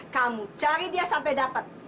kamu cari dia sampai dapat